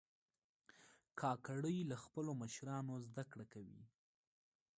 کاکړي له خپلو مشرانو زده کړه کوي.